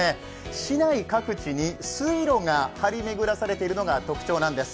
市内各地に水路が張り巡らされているのが特徴なんです。